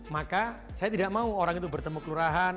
maka saya tidak mau orang itu bertemu kelurahan